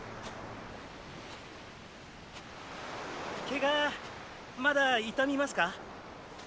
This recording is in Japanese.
ケガまだ痛みますか？